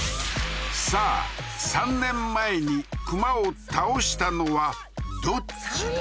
さあ３年前に熊を倒したのはどっちだ？